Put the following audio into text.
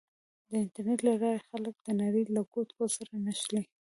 د انټرنېټ له لارې خلک د نړۍ له ګوټ ګوټ سره نښلي.